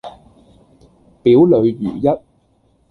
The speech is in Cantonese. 表裏如一